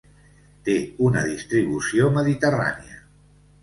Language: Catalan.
Té una distribució mediterrània.